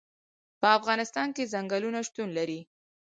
په افغانستان کې ځنګلونه شتون لري.